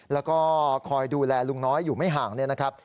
แล้วก็คอยดูแลลุงน้อยอยู่ไม่ห่างเนี่ยนะครับ